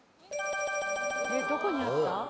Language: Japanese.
どこにあった？